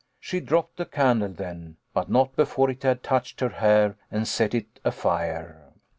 She dropped the candle then, but not before it had touched her hair and set it afire.